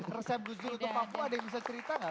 resep gus dur untuk papua ada yang bisa cerita nggak